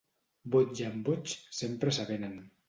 Boig amb boig, sempre s'avenen.